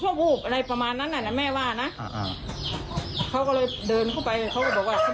จะอยู่บ้านนี้หรือจะกลับไปอยู่บ้านน้ำแท่น